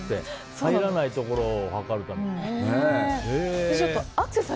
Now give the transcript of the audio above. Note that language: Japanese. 入らないところを測るために。